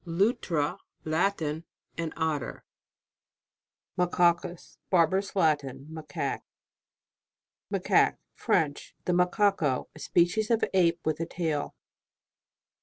LUTRA. Latin. An Otter. MACACUS. Barbarous Latin. Ma caque. MACAO.UE. French. The Macaco, a species of ape with a tail.